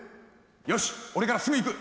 よしこれからすぐ行く。